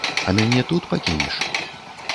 А мяне тут пакінеш?